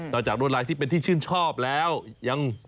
จากรวดลายที่เป็นที่ชื่นชอบแล้วยัง